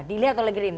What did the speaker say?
dilihat oleh gerindra